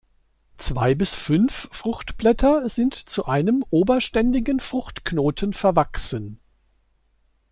Zwei bis fünf Fruchtblätter sind zu einem oberständigen Fruchtknoten verwachsen.